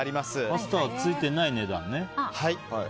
パスタはついてない値段ね。